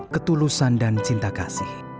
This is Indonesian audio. ketulusan dan cinta kasih